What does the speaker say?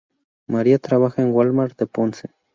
Mario trabaja en Walmart de Ponce.